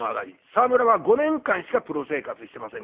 沢村は５年間しかプロ生活してませんから。